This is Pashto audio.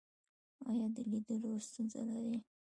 ایا د لیدلو ستونزه لرئ؟